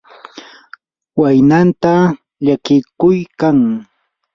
waynanta llakiykuykan.